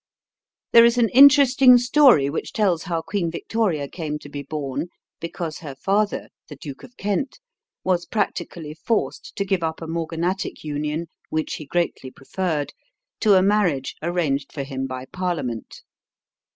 There is an interesting story which tells how Queen Victoria came to be born because her father, the Duke of Kent, was practically forced to give up a morganatic union which he greatly preferred to a marriage arranged for him by Parliament.